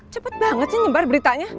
cepet banget sih nyebar beritanya